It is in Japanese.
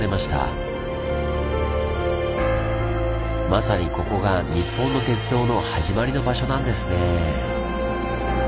まさにここが日本の鉄道の始まりの場所なんですねぇ。